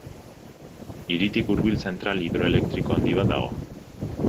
Hiritik hurbil zentral hidroelektriko handi bat dago.